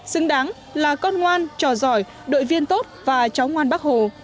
xứng đáng là con ngoan trò giỏi đội viên tốt và cháu ngoan bác hồ